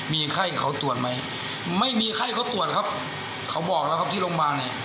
มีไข้เขาตรวจไหมไม่มีไข้เขาตรวจครับเขาบอกแล้วครับที่โรงพยาบาลเนี่ย